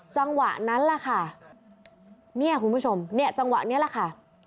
จังหวะนั้นแหละค่ะเนี่ยคุณผู้ชมเนี่ยจังหวะนี้แหละค่ะ